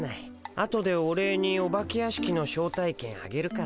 あとでお礼にお化け屋敷の招待券あげるからさハハッ。